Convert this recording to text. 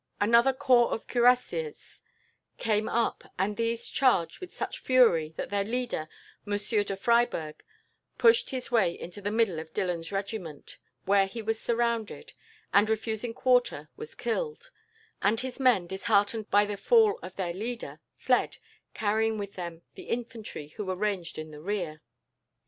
Another corps of cuirassiers came up, and these charged with such fury that their leader, Monsieur de Freiberg, pushed his way into the middle of Dillon's regiment, where he was surrounded, and, refusing quarter, was killed; and his men, disheartened by the fall of their leader, fled, carrying with them the infantry who were ranged in their rear.